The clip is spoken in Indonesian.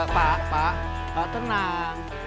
pak pak tenang